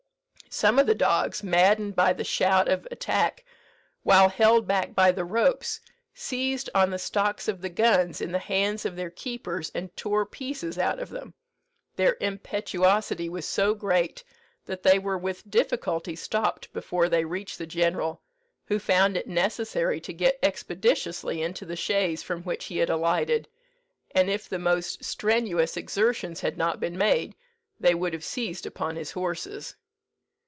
Some of the dogs, maddened by the shout of attack while held back by the ropes, seized on the stocks of the guns in the hands of their keepers, and tore pieces out of them. Their impetuosity was so great that they were with difficulty stopped before they reached the general, who found it necessary to get expeditiously into the chaise from which he had alighted; and if the most strenuous exertions had not been made, they would have seized upon his horses."